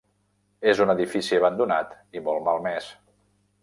És un edifici abandonat i molt malmès.